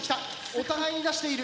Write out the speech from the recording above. お互いに出している。